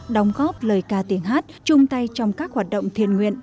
đóng góp lời ca tiếng hát chung tay trong các hoạt động thiền nguyện